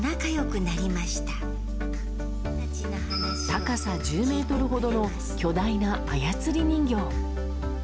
高さ１０ｍほどの巨大な操り人形。